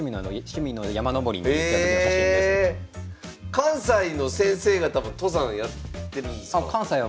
関西の先生方も登山やってるんですか？